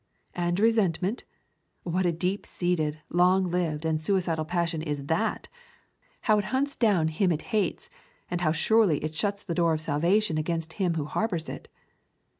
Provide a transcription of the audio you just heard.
And resentment, what a deep seated, long lived, and suicidal passion is that! How it hunts down him it hates, and how surely it shuts the door of salvation against him who harbours it!